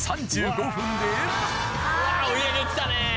うわ追い上げがきたね。